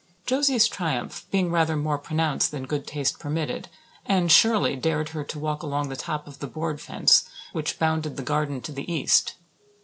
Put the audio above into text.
Josie's triumph being rather more pronounced than good taste permitted, Anne Shirley dared her to walk along the top of the board fence which bounded the garden to the east.